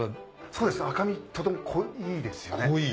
そうですね赤身とても濃いですよね。